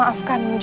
aku akan menang